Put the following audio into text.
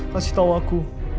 kasih tau aku